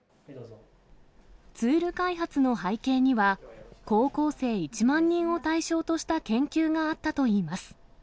ツール開発の背景には、高校生１万人を対象とした研究があったといいます。